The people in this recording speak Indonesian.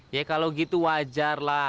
ya kalau gitu wajar lah